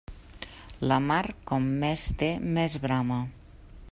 La mar com més té més brama.